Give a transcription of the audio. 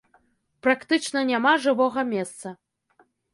Практычна няма жывога месца.